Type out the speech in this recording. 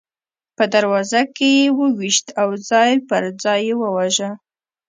په دروازه کې یې وویشت او ځای پر ځای یې وواژه.